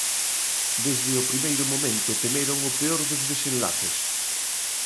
Desde o primeiro momento temeron o peor dos desenlaces.